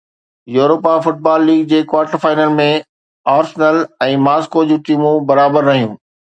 Europa football league جي quarter final ۾ Arsenal ۽ Moscow جون ٽيمون برابر رهيون